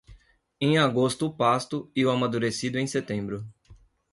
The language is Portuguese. Em agosto o pasto e o amadurecido em setembro.